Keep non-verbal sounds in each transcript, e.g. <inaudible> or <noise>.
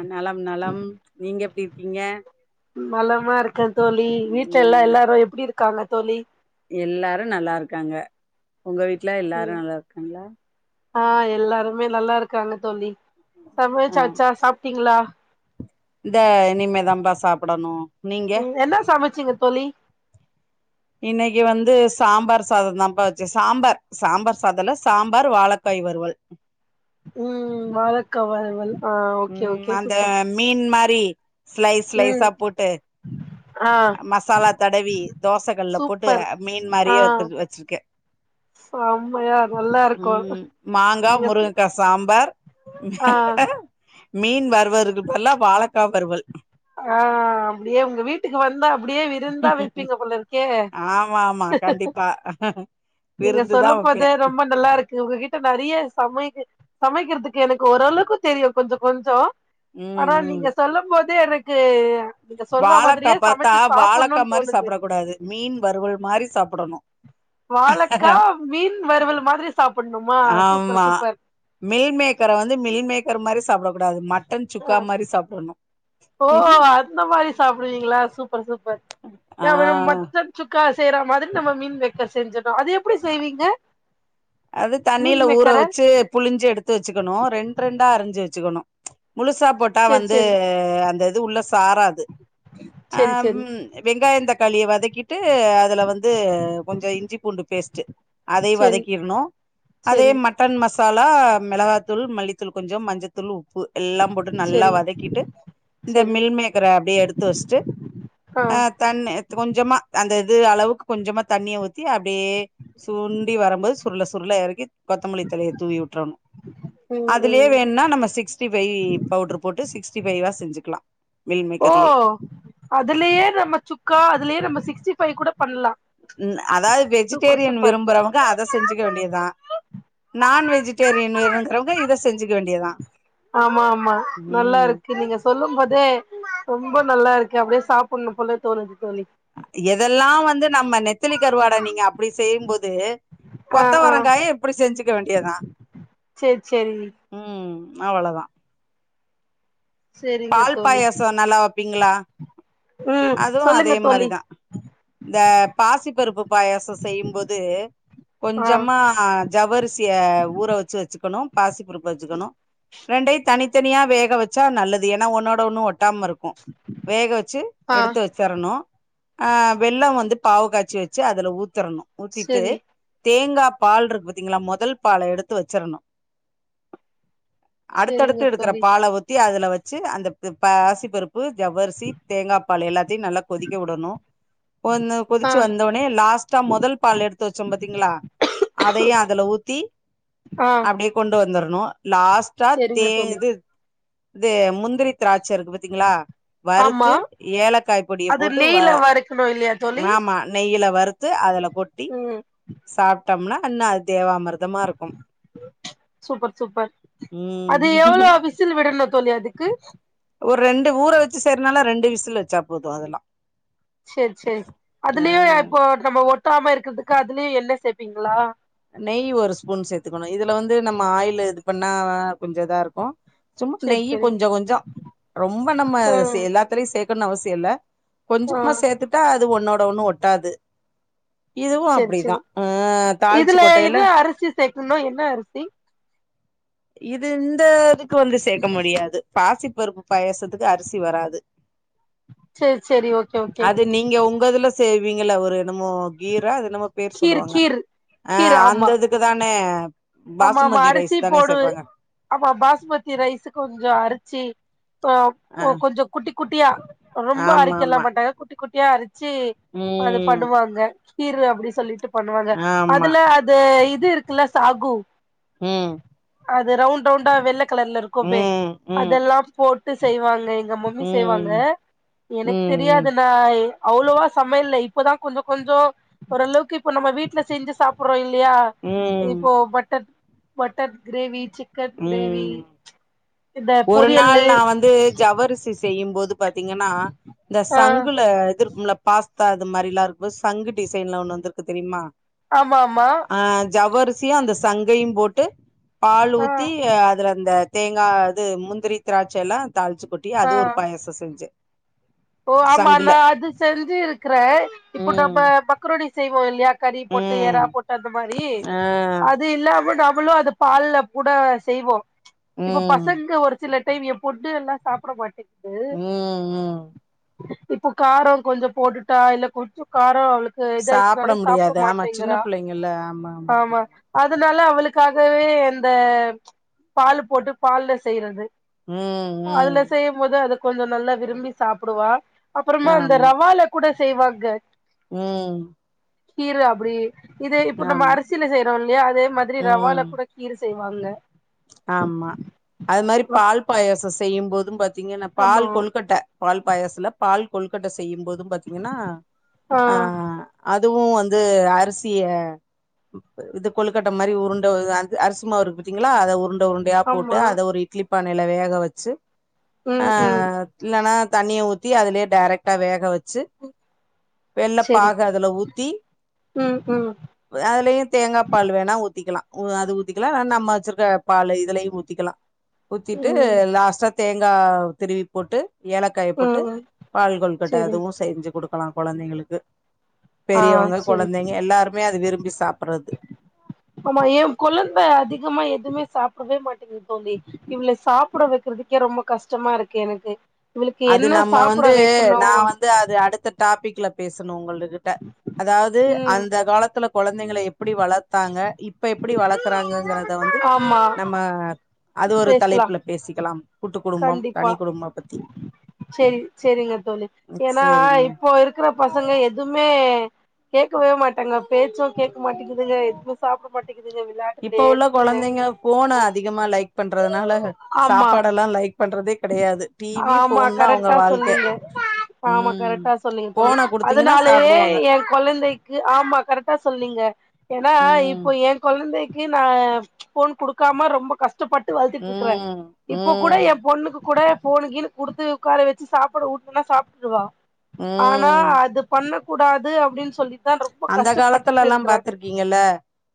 அ நலம் நலம் நீங்க எப்டி இருக்கீங்க நலமா இருக்கே நா காங்க தோழி எல்லாரு நல்லா இருக்காங்க உங்க வீட்ல எல்லாரு நல்லா இருக்காங்களா ஆ எல்லாருமே நல்லா இருக்காங்க தோழி ஆ சமைச்சாச்சா சாப்டீங்களா இந்த இனிமே தாம்பா சாப்பிடணு நீங்க சிங்க தோழி இன்னைக்கு வந்து சாம்பார் சாதந்தாம்ப்பா வச்ச சாம்பார் சாம்பார் சாதல்ல சாம்பார் வாழக்காய் வருவல் உம் வாழக்கா வருவல் உம் அந்த மீன் மா ரி ஸ்லைஸ் ம் ஸ்லைஸா போட்டு ஆ மசாலா தடவி தோசகள்ல போட்டு சூப்பர் மீன் ஆ மாரியே வத்து வச்சிருக்கே செம்மையா நல்லா இருக்கு உம் மாங்கா நீங்க முருங்கக்கா சாம்பார் ஆ மீன் வரு வருக்குபல்லா வாழக்கா வறுவல் ஆ அப்டியே உங்க வீட்டுக்கு வந்தா அப்டியே விருந்தா வைப்பீங்க போல இருக்கே ஆமா ஆமா கண்டிப்பா நீங்க விருந்துதா சொல்லும் வப்பே போதே ரொம்ப நல்லா இருக்கு உங்ககிட்ட நெறைய சமை சமைக்கிறதுக்கு எனக்கு ஓரளவுக்கு தெரியு கொஞ்சோ கொஞ்சோ ம் ஆனா ம் நீங்க சொல்லம் போது து எனக்கு நீங்க சொல்ற வாழக்கா மாதிரியே பாத்தா சமைச்சு வாழக்கா சாப்புட்ணுன்னு மாரி தோணுது சாப்பிட கூடாது மீன் வறுவல் மாரி சாப்பிடணு வாழக்கா மீன் வறுவல் மாதிரி சாப் ஆமா மீல் மேக்கர வந்து மீல் மேக்கர் மாரி சாப்பட கூடாது மட்டன் ஆ சுக்கா மாரி சாப்பிடணு ஓ அந்த மாரி சாப்பிடுவீங்களா சூப் பர் சூப்பர் ஆ த வந்து மட்டன் சுக்கா செய்ரா மாரி நம்ப மீன் மேக்கர் செஞ்ச னு அது எப்படி செய்வீங்க அது மீன் தண்ணியில ஊற மேக்கர வச்சு புழிஞ்சு எடுத்து வச்சுக்கணு ரெண்டு ரெண்டா அரிஞ்சு வ ச்சுக்கணு முழுசா போட்டா சேரி வந்து சேரி அந்த து உள்ள ஸ் சாராது ஆ சேரி சேரி ம் வெங்காயந்தக் காளிய வதக்கிட் டு அதுல வந்து கொஞ்சோ இஞ்சி பூண்டு பேஸ்ட் அதயூ சேரி வதக் கிர்ணூ அதே சேரி மட்டன் மஸ் சாலா மெளகாத்தூள் மல்லித்தூள் கொஞ்சோ மஞ்சத்தூள் உப் ப்பு எல்லாம் போட்டு நல்லா சேரி வதக்கிட்டு இந்த சேரி மில் மேக்கர அப்டியே எடுத்து வச்சுட்டு ஆ தண்ணி கொஞ்சமா அந்த இது அளவுக்கு கொஞ்சமா தண்ணிய ஊத்தி அப்டியே சுண்டி வரும்போது சுருள சுருள எறக்கி கொத்தமல்லி தழைய தூவி விட்டுறணூ ம் அதுலயே ம் வேணுனா நம்ப சிக்ஸ்டி ஃபைவ் பவுடர் போட்டு சிக்ஸ்ட்டி ஃபைவா செஞ்சுக்கலா மில் ஓ மேக்கர்லயே அதுலேயே நம்ம சுக்கா அதுலயே நம்ம சி ஸ்ட்டி ஃபைவ் கூட பண்லா ம் அதாவ்து சூப்பர் வெஜிடேரியன் சூப்பர் விரும்புறவங்க அத செஞ்சிக்க வேண்டியதா நான் வெஜிடேரியன் வேணூங்கிறவங்க இத செஞ்சிக்க வேண்டியதா ஆமா ஆமா ம் நல்லாருக்கு நீங்க சொல்லும் போதே ம்போ நல்லாருக்கு அப்டியே சாப்புட்ணும் போல தோணுது தோழி எதல்லா வந்து நம்ம நெத்திலி கருவாட நீங்க அப்டி செய்யும்போது ஆ ஆ கொத்தவரங்காய இப்டி செஞ்சுக்க வேண்டியதா சேரி சேரி ம் அவளதா சேரிங்க பால் தோழி பாயசோ நல்லா வப் பீங்களா ம் அதுவூ சொல்லுங்க அதே தோழி மாரிதா இந்த பாசி பருப்பு பாயசோ செய்யும்போது ஆ கொஞ்சமா ஜவ்வரிசிய ஊற வச்சு வச்சுக்கணூ பாசி பருப்பு வச்சுக்கணூ ரெண்டையூ தனி த்தனியா வேக வச்சா நல்லத் ஏனா ஒன்னோட ஒன்னு ஒட் டாம இருக்கூ வேக வச்சு ஆ எடுத்து வச்சுரணூ ஆ வெள்ளோ வந்து பாகு காய்சி வச்சு அதுல ஊத் திரணூ ஊத்திட்டு சேரி தே ங்கா பால் இருக்கு பாத்தீங்ளா மொதல் பால எடுத்து வச்சிரணூ சேரிங்க அடுத்தடுத்து எடுக்கற தோழி பால ஊத்தி அதுல வச் க்கு பாசிபருப் பு ஜவ்வரிசி தேங்கா பால் எல்லாத்தயூ நல்லா கொதிக்க விடணூ ஒன்னு ஆ கொதிச்சு வந்தோடனே லாஸ்டா மொதல் பால் எடுத்து வச்சோ பாத்தீங்களா அதையூ அதுல ஊத்தி ஆ அப்டியே கொண்டு வந்துர் ணூ லாஸ்டா தே சேரிங்க தோழி இது இது முந்திரி த்ராச்சருக்கு பாத்தீங்களா ஆமா வறுத்து ஏலக்காய் பொடிய அது போட்டு வ நெய்ல வறுக்கணு இல்லையா தோழி ஆமா நெய்ல வ டுத்து அதுல கொட்டி ம் சாப் ட்டம்னா இன்னா அது தேவாமிர் சூப்பர் சூப்பர் ம் அது எவ்ளோ விசில் விடணு தோழி அதுக்கு ஒரு ரெண்டு ஊர வச்சு செய்றனால ரெண்டு விசில் வச்சா போது அதெல்லா செரி செரி அதுலயு ஆ இப்போ நம்ம ஒட் டாம இருக்கற்துக்கு அதுலயு எண்ணெ சேப்பீங்களா நெய் ஒரு ஸ்பூன் சேத்துக்கணு இதுல வந்து நம்ம ஆயில் இது பண்ணா கொஞ்சோ இதாருக்கு சும்மா சேரி நெய் சேரி கொஞ்ச கொஞ்சோ ரொம்ப நம்ம சே ம் எல்லாத்லயு சேக் கணு அவசிய இல்ல ஆ கொஞ்சமா சேத்துட்டா து உன்னோட ஒண்ணு ஒட்டாது இதுவு சேரி அப்டிதா சேரி ஆ தாளிச்சு இதுல கொட்டையில என்ன அரிசி சேக்கணு என்ன அரிசி இத இந்த க்கு வந்து சேக்க முடியாது பாசிப்பருப்பு பாயசத்துக்கு அரிசி வராது சேரி சேரி ஓகே ஓகே அது நீங்க உங்க துல செய்வீங்ள ஒரு என்னமோ கீரா அது என்னுமோ பேர் கீர் சொல்லுவாங்க கீர் ஆ கீர் ஆமா அந்ததுக்கு தானே ஆமா ஆமா பாசுமதி ரைஸ் அரிசி தானே போடு <unintelligible> சேப்பாங்க ஆமா பாஸ்மதி ரைஸு கொஞ்சோ அரிசி ஆ ஆ போ கொஞ்சோ குட்டிக் குட்டியா ரொம்ப ஆமா அடிக்கலா ஆமா மாட்டாங்க குட்டி குட்டியா அடி ச்சு அது ம் பண்ணுவாங்க கீரூ அப்டி சொல்லிட்டு பண்ணுவாங்க ஆமா அதுல அது இ இது இருக்குல்ல சாகு ம் அது ரவ்ண்ட் ரவ்ண்ட்டா வெள்ள கலர்ல இருக்கும்பே ம் ம் அதெல்லா போட் டு செய்வாங்க எங்க மம்மி செய்வாங்க ம் ம் எனக்கு ம் தெரியாது நா அவ்ளோவா சமையல்ல இப்போதா கொஞ்சோ கொஞ்சோ ஓரளவுக்கு இப்ப நம்ம வீட்ல செஞ்சு சாப்புட்றோ இல் லயா ம் இப்போ பட் பட்டர் கிரேவி சிக் ம் ஒரு நாள் பொரியல்லு நா வந்து ஜவ்வரிசி செய்யும் போது பாத்தீங்கனா இந்த ஆ சங்குல இது இருக்கும்ல பாஸ் தா அது மாரில்லா இருக்கு போது சங்கு டிசைன்ல ஒண்ணு வந்துருக்கு தெரிமா ஆமா ஆமா ரிசியு அந்த சங்கயு போட்டு பால் ஆ ஊத் அதுல அந்த தேங்கா அது முந்திரி திராச்ச எல்லா தாள்ச்சு கொட்டி ஆ அது ஒரு பாயாசோ செஞ்ச ஓ ஆமா நா அது செஞ்சிருக்குற இப்போ ம் நம்ம மக்ரோன் செய்வோ இல்லியா கறி போட்டு எறா ம் போட்டு அந்த மாரி ஆ அது இல்லாம நம் ங்களு அது பால்ல கூட செய்வோ இப்ப ம் பசங்க ஒரு சில சேமியா போட்டு எல்லா சாப்ட மாட்டேங் ம் ம் இப்ப காரம் கொஞ்சம் போட்டுட்டா இல்ல கொஞ்ச காரம் அவளு க்கு சாப்ட இதாச்சுன்னாலே சாப்பிட முடியாது ஆமா சின்ன மாட்டேங்கிறா பிள்ளைங்கல்ல ஆமா அதனால அவளுக் க்காகவே இந்த பால் போட்டு பால்ல செய்யறது ம் அதுல ம் செய்யும் போது அது கொஞ்சம் நல்லா விரும்பி சாப்பிடுவா அப்பறமா அந்த ரவால கூட சேவ கா உம் கீர அப்படி இது இப்ப நம்ம அரிசியில செய்யறோ இல்லையா அதே மாரி ரவால ம் கூட கீர செய்வாங்க ஆமா அது மாரி அப்- பால் பாயாசோ செய்யும் போதும் பா த்தீங்கன்னா பால் ஆமா கொழுக்கட்ட பால் பாயசல பால் கொலுகட்ட செய்யும்போது பாத்தீங்கன்னா ஆ அ அது அதுவு வந்து அரிசிய இது கொழுக்கட்ட மாரி உருண்ட அரிசி மாவு இருக்கு பாத்திங்களா அத உருண்ட உருண்டயா போட்டு ஆமா அத ஒரு இட்லி பானையில வேக வெச்சு ம் ம் அஹ் இல்லனா தண்ணியை ஊத்தி அதுலயே டைரெக்டா வேக வெ ச்சு வெள்ள செரி பாக அதுல ஊத்தி ம் ம் அதுலயே தேங்கா பால் வேணா ஊத்திக்கலா ஊ அது ஊத்திக்கலா வேணா நம்ம வெச்சிருக்க பால் இதுலயையு ஊத்திக்கலா ஊத்திட்டு ம் லாஸ்டா தேங்கா திருவி போட்டு ஏலக்காய போட்டு ம் பால் கொலுகட்ட செரி அதுவு செஞ்சு குடுக் கலா குழந்தைங்களுக்கு ஆஹ் சேரி அது விரும்பி சாப்பறது ஆமா எ கொழந்த அதிகமா எதுவுமே சாப் ப்பிடவே மாட்டேங்கிது தோழி இவள சாப்பிட வெக்கிறதுக்கே ரொம்ப கஷ்டமா இருக்கு எனக் அது நம்ம வந்து நா வந்து அது அடுத்த டாபிக் ல பேசணு உங்கள் கிட்ட அதாவது ம் அந்த காலத்துல கொழந்தைங்கள எப்படி வளத்தாங்க இப்ப எப்படி வளக்கறாங்கங்கறத வந்து ஆமா நம்ம அது ஒரு பேசலா தலைப்புல பேசிக்கலாம் கூட்டு குடும்பம் கண்டிப்பா தனி குடும்ப பத்தி சேரி சேரிங்க தோழி ஏனா சரிங்க இப்போ இருக்கிற பசங்க எதுமே கேக்கவே மாட்டாங்க பேச்சோ கேக்க மாட்டீதுக எதுவு சாப்ட மாட்டீ இப்ப உள்ள கொழந்தைங்க போன அதிகமா லைக் பண்றதுனால ஆமா சாப்பாடெல்லா லைக் பண்றதே கெடையாது டிவி ஆமா ஃபோன் தா அவங்க கரெட்டா வாழ்க்க சொன்னீங்க ஆமா ம் கரெட்டா சொன்னீங்க தோழி ஃபோன குடுத்தீங்கன்னா அதனாலயே சாப்டுவாங்க எ கொழந்தைக்கு ஆமா கரெட்டா சொன்னீங்க ஏனா ம் இப்போ எ கொழந்தைக் கி நா ஃபோன் குடுக்காம ரொம்ப கஷ் டபட்டு வழத்துட்டு இருக்குறே ம் இப்ப கூட ம் எ கூட ஃபோனு கீனு குடுத்து உக்கார வச்சு சாப்பாடு ஊட்டுனா சாப்ட்டுடுவா ஆனா ம் அது பண்ண கூடாது அப்டின் சொ அந்த காலத்துலல்லா பாத்துருக்கீங்கல்ல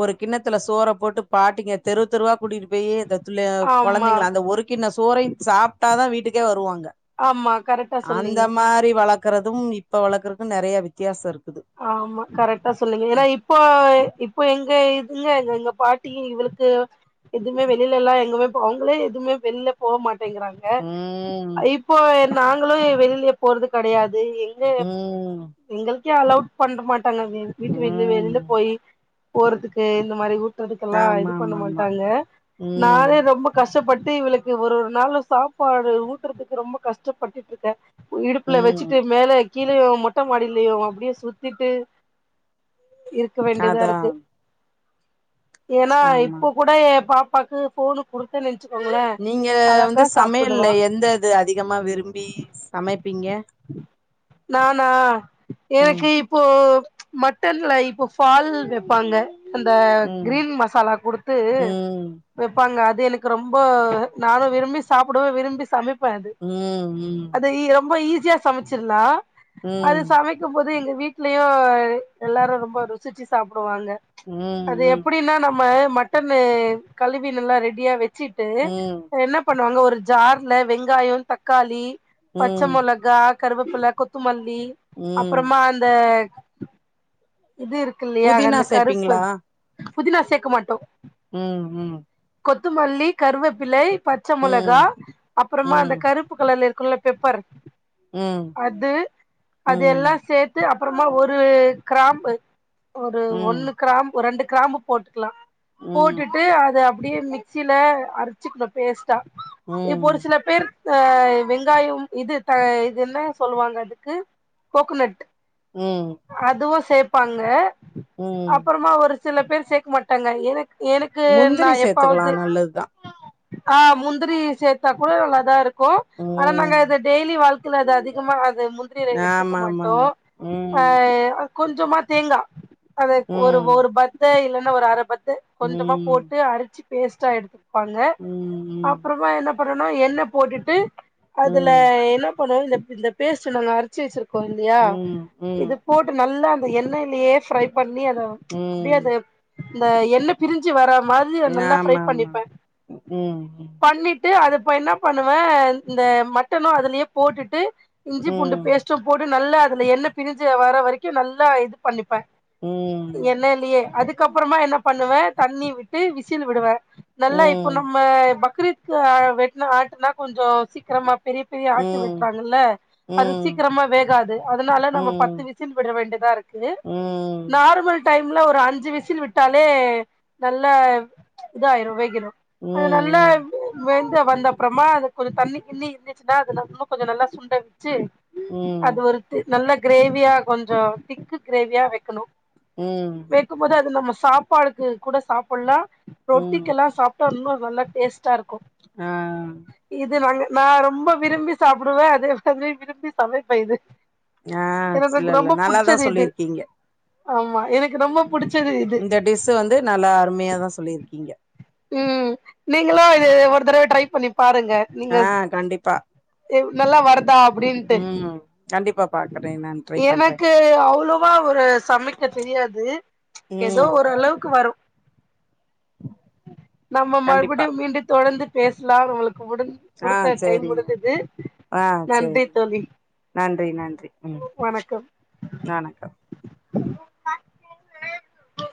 ஒரு கிண்ணத்துல சோற போட்டு பாட்டீங்க தெரு தெருவா கூட்டிட்டு போயி அத <unintelligible> ஆமா கொழந்தைங்கள அந்த ஒரு கின்ன சோறையு சாப்ட்டா தா வீட்டுக்கே வருவாங்க ஆமா கரெக்டா அந்த சொன்னீங்க மாரி வளக்கறதும் இப்ப வளக்கற கும் நெறைய வித்தியாசோ இருக்கு ஆமா கரெக்டா சொன்னீங்க ஏனா இப்போ இப்ப எங்க க எங்க எங்க பாட்டி இவளுக்கு எதுமே வெளிலல்லா எங்கமே போங் அவங்களே எதுமே வெளில போ மாட் டேங்கறாங்க ம் இப்போ நாங்களு வெளிலயே போறது கெடையாது து எங்க ம் எங்களு கே அலவ்ட் பண்ற மா டாங்க எங்க வீட்டு வெளி வெளில ம் போயி போறதுக்கு இந்த மாரி ஊர் சுத்துறதுகெல்லா இது ஆமா பண்ண ஆமா ஆமா மாட்டாங்க ம் நானே ரொம்ப கஷ் டப்பட்டு இவளுக்கு ஒரு ஒரு நாளு சாப்பாடு ஊட்றதுக்கு ரொம்ப கஷ்டப்பட்டுட்டு இருக்கே இடுப்புல ம் வச்சிட்டு மேல கீழயோ மொட்ட மாடிலயோ அப்டியே சுத்தி திட்டு இருக்க வேண்டியதா அதா இருக்கு ஏன்னா ஆமா இப்போ கூட என் பாப் பாக்கு போனு குடுத்தேனு நெ நீங்க வந்து சமையல்ல எந்த இது அதிகமா விரும்பி சமைப்பீங்க நானா ம் எனக்கு இப்போ மட்டன்ல இப்போ ஃபால் வைப்பாங்க அந்த ம் கிரீன் மசாலா குடுத்து ம் வைப்பாங்க அது து எனக்கு ரொம்ப நானு விரும்பி சாப்பிடவே விரும்பி சமைப் ப அது ம் அது இ ரொம்ப ஈஸி யா சமைச்சிரலா ம் அது ம் சமைக்கும் போது எங்க வீட்டுலயு எல்லாரும் ரொம்ப ருசிச்சி சாப் டுவாங்க அது ம் எப்படின்னா நம்ம மட்டனு கழுவி நல்ல ரெடியா வச் ச்சுட்டு ம் ம் என்ன பண்ணுவாங்க ஒரு ஜார்ல வெங்காய தக்காளி பச்ச ம் மொளகா கருவேப்பிள கொத்தமல் ல்லி ம் அப்பறமா அந்த இது இருக்கு இல்லையா புதினா அந்த கருப்பு சேப்பீங்களா புதினா சேக்க மாட்டோ உம் உம் கொத்தமல்லி கருவேப்பிலை பச்ச மிளகா ம் அப்பறமா அந்த ம் கருப்பு கலர் ல இருக் குள்ள பெப்பர் ம் ம் அது அது ம் எல்லா சேத் து அப்பறமா ஒரு கிராம்பு ஒரு ம் ஒன்னு கிராம்பு ரெண்டு கிராம்பு போட்டுக்கலாம் ம் போட்டுட்டு அத அப்படியே மிக்சியில அரைச்சுக்கணும் பேஸ்ட் டா இப்போ ஒரு ம் சில பேர் ஆஹ வெங்காயம் இது த இது என்ன சொல்லுவாங்க அதுக்கு கோகனட் உம் அதுவு சேப்பாங்க அப்புறமா ஒரு சில பேர் சேக்க மாட்டாங்க எனக் எனக்கு நா முந்திரி சேத்துக்கலா எப்பவாது நல்லதுதா ஆஹ் முந்திரி சேத்தா கூட நல்லாதா இருக் கு ஆனா ம் நாங்க அத டெய்லி வாழ்க் இல்ல அது அதிகமாவாது அது முந்திரியரைரத்துக்கு மாட்டு ஆமாமாமா ம் ஆஹ் கொஞ்சமா தேங்கா அது ஒரு ஒரு ம் ஒரு பத்த இல என்ன ஒரு அரபத் து கொஞ்சமா ம் போட்டு அரிச்சி பேஸ்ட்டா எடுத்து கோங்க ம் ம் அப்புறமா என்ன அப்புறனா எண்ணெ போட்டுட்டு அதுல ம் என்னப் பண்ணனு இந்த இந்த பேஸ்ட்டு நாங்க அரிச்சி வச்சுருக் போயிந்தியா ம் ம் இது போட்டு நல்லா இந்த எண்ணெய்லேயே ஃப்ரை பண்ணி அத ச் அப்டியே ம் அது இந்த எண்ணெ பிரிஞ்சி வர மாதிரி நல்லா ஃப்ரை ஆமாமா பண்ணிப்பே ம் ம் பண்ணிட் ட்டு அத இப்ப என்ன பண்ணுவ இந்த மட்டனு அதுலயே போட்டுட்டு இஞ்சி பூண்டு ம் பேஸ்ட்டு போட்டு நல்லா அதுல எண்ணெ பிரிஞ்சு வர்ற வரைக்கு நல்லா இது பண்ணிப்பே ம் எண்ணெய்லேயே அதுக் கப்புறமா என்ன பண்ணுவே தண்ணி விட்டு விசில் விடுவே ம் நல்லா இப்போ ம் நம்ம ப குக்கரக்கு வெட்டினா ஆட்டினா கொஞ்ச சீக்கிரமாக பெரிய பெரிய ஆட்டு ம் வெட்டுறாங்கல்ல அது ம் சீக்கிரமா வேகாது அதனால நம்ப ம் பத்து விசில் விட வேண்டியதா இருக்கு ம் நார்மல் டைம்ல ஒரு அஞ்சு விசில் விட்டாலே நல்ல இதாயிரு வேக்கிறு அது நல்ல வெ வந்த அப்பறமா அது கொஞ்ச தண்ணி இண்ணி இருந்துச்சுன்னா அத இன்னு கொஞ்ச சுண்ட ச்சு ம் அது ஒரு நல்ல கிரேவியா கொஞ்ச திக்கு கிரேவியா வைக்கணு ம் கேட்கும்போது அது நம்ம சாப்பாடுக்கு கூட சாப்பிட்லா ரொட்டிக்கிலா சாப்பிட்டா இன்னு நல்ல டேஸ்ட் டா இருக்கு ஆ இது நாங்க நா ரொம்ப விரும்பி சாப்பிடுவே அதே மாரி விரும்பி சமைப்ப இது ஆஹ் எனக்கு இல்லல்ல ரொம்ப நல்லாதா புடிச்சது இது சொல்லிருக்கீங்க ஆமா எனக்கு ரொம்ப புடிச்சது இது இந்த டிஸ் வந்து நல்லா அருமையாதா சொல்லிருக்கீங்க உம் நீங்களு இத ஒரு தடவ ட்ரை பண்ணி பாருங்க நீங்க ஆ கண்டிப்பா நல்லா வருதா அப்படின்ட்டு ம் கண்டிப்பா பாக்குறே நான் ட்ரை பண்றே எனக்கு அவ்வளவா ஒரு சமைக்க தெரியாது ஏதோ ம் ஓர் அளவுக்கு வரும் நம்ம கண்டிப்பா மறுபடியு மீண்டு தொடர்ந்து பேசலா உங்களுக் கு ஆ குடுத்த டைம் சேரிங்க முடிந்துது ஆ நன்றி சேரி தோழி நன்றி நன்றி ம் வணக்கம் வணக்கம் <inaudible>